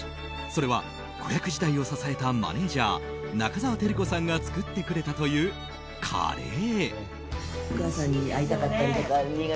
それは、子役時代を支えたマネジャー中澤照子さんが作ってくれたというカレー。